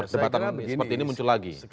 debatan seperti ini muncul lagi